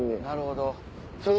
なるほど。